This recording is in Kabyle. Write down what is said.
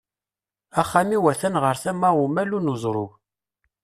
Axxam-iw at-an ɣer tama umalu n uzrug.